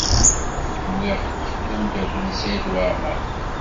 Nwiɣ-k d amdakel n Saɛid Waɛli.